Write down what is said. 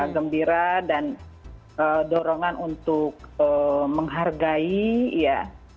gembira dan dorongan untuk menghargai ya